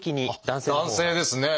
男性ですね！